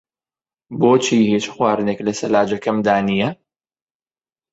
بۆچی هیچ خواردنێک لە سەلاجەکەمدا نییە؟